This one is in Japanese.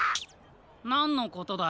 なんのことだよ？